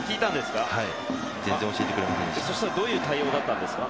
どういう対応だったんですか？